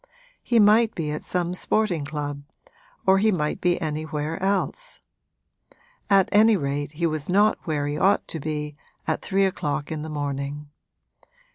He might be at some sporting club or he might be anywhere else; at any rate he was not where he ought to be at three o'clock in the morning.